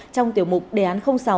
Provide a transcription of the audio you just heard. trong tiểu mục đề án sáu